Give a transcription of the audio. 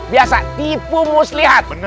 biasa tipu muslihat